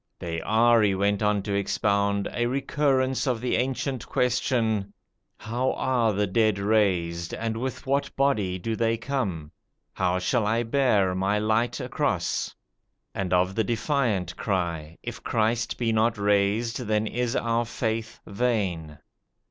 They are, he went on to expound, a recurrence of the ancient question: "How are the dead raised, and with what body do they come?" "How shall I bear my light across?" and of the defiant cry: "If Christ be not raised, then is our faith vain."